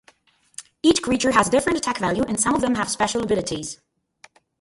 Each creature has a different attack value, and some of them have special abilities.